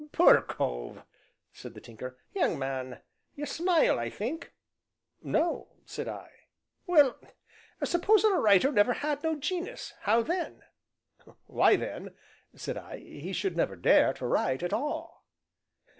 "Poor cove!" said the Tinker. "Young man, you smile, I think?" "No," said I. "Well, supposing a writer never had no gen'us how then?" "Why then," said I, "he should never dare to write at all."